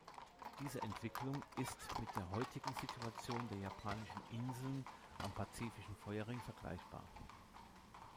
Diese Entwicklung ist mit der heutigen Situation der Japanischen Inseln am Pazifischen Feuerring vergleichbar.